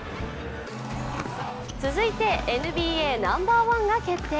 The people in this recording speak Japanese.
続いてＮＢＡナンバーワンが決定。